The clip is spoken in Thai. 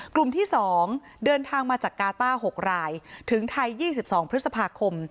กลุ่มที่๒เดินทางมาจากกาต้า๖รายถึงไทย๒๒พฤษภาคม